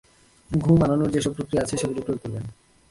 ঘুম আনানোর যে-সব প্রক্রিয়া আছে সেগুলি প্রয়োগ করবেন।